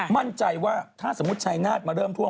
มั่นใจว่าถ้าสมมุติชายนาฏมาเริ่มท่วม